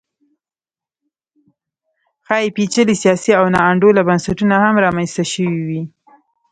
ښايي پېچلي سیاسي او ناانډوله بنسټونه هم رامنځته شوي وي